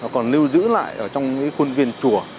còn lưu giữ lại trong khuôn viên chùa